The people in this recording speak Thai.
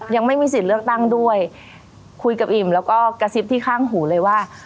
ยังไม่มีสิทธิ์เลือกตั้งด้วยคุยกับอิ่มแล้วก็กระซิบที่ข้างหูเลยว่า